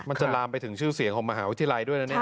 มันจะลามไปถึงชื่อเสียงของมหาวิทยาลัยด้วยนะเนี่ย